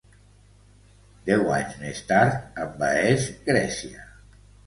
Deu anys més tard envaeix Grècia.